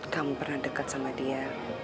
kamu pernah dekat sama dia